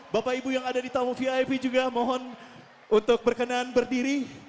bapak ibu yang ada di tamu vip juga mohon untuk berkenan berdiri